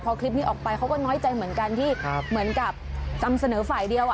พอคลิปนี้ออกไปเขาก็น้อยใจเหมือนกันที่เหมือนกับจำเสนอฝ่ายเดียว